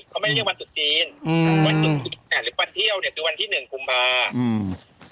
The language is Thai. อืมอืมวันสุดจีนหรือวันเที่ยวเนี่ยคือวันที่๑กุมภาคม